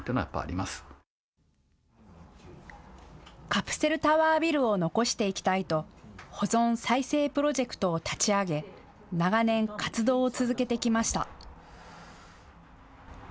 カプセルタワービルを残していきたいと保存・再生プロジェクトを立ち上げ長年、活動を続けてきました。